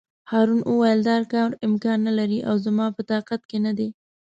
هارون وویل: دا کار امکان نه لري او زما په طاقت کې نه دی.